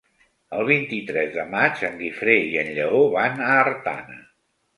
El vint-i-tres de maig en Guifré i en Lleó van a Artana.